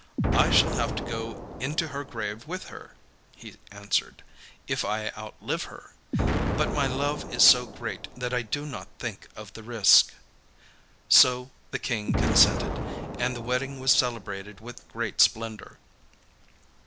'I shall have to go into her grave with her,' he answered, 'if I outlive her, but my love is so great that I do not think of the risk.' So the King consented, and the wedding was celebrated with great splendour.